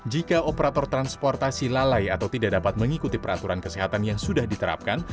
jika operator transportasi lalai atau tidak dapat mengikuti peraturan kesehatan yang sudah diterapkan